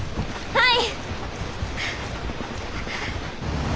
はい！